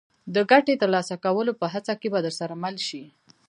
د ګټې ترلاسه کولو په هڅه کې به درسره مل شي.